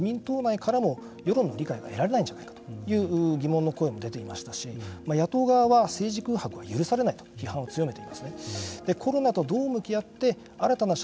コロナ禍で総裁選挙を行うということには自民党内からも世論の理解が得られないんじゃないかという疑問も声も出ていましたし野党側は政治空白は許すされないと批判を強めていますね。